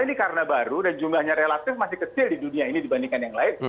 ini karena baru dan jumlahnya relatif masih kecil di dunia ini dibandingkan yang lain